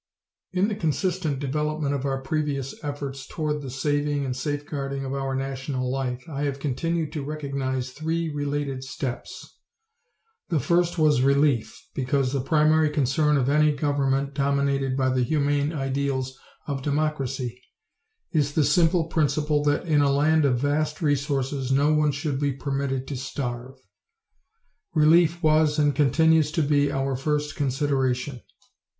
In the consistent development of our previous efforts toward the saving and safeguarding of our national life, I have continued to recognize three related steps. The first was relief, because the primary concern of any government dominated by the humane ideals of democracy is the simple principle that in a land of vast resources no one should be permitted to starve. Relief was and continues to be our first consideration.